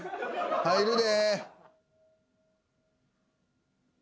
入るで。